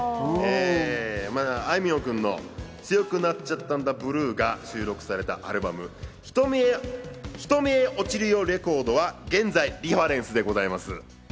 あいみょん君の『強くなっちゃったんだ、ブルー』が収録されたアルバム『瞳へ落ちるよレコード』は現在リファレンスでございます。